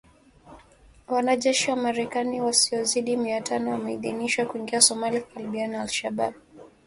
Wanajeshi wa Marekani wasiozidi mia tano wameidhinishwa kuingia Somalia kukabiliana na Al Shabaab